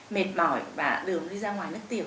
mệt mỏi và đường đi ra ngoài nước tiểu